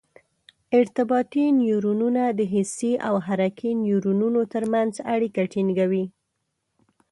ارتباطي نیورونونه د حسي او حرکي نیورونونو تر منځ اړیکه ټینګوي.